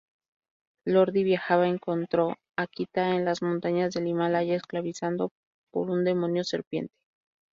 Lordi viajaba encontró a Kita en las montañas del Himalaya, esclavizado por un demonio-serpiente.